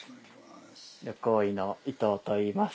旅行医の伊藤といいます